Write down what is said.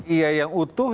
iya yang utuh ya